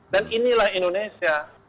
dan inilah indonesia